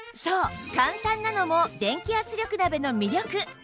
そう簡単なのも電気圧力鍋の魅力